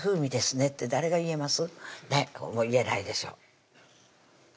ねっ言えないでしょ